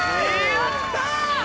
やった！